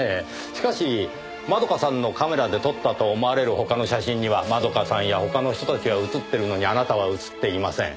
しかし円香さんのカメラで撮ったと思われる他の写真には円香さんや他の人たちは写っているのにあなたは写っていません。